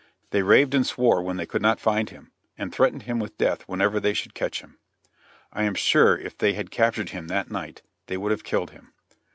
They raved and swore when they could not find him, and threatened him with death whenever they should catch him. I am sure if they had captured him that night, they would have killed him.